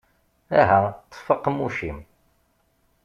Aha, ṭṭef aqemmuc-im!